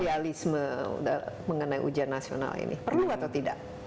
idealisme mengenai ujian nasional ini perlu atau tidak